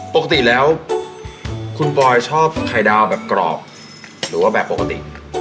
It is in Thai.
ปกติแล้วคุณปอยชอบไข่ดาวแบบกรอบหรือว่าแบบปกติ